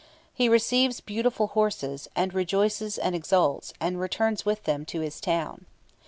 "He receives beautiful horses, And rejoices and exults, And returns with them to his town."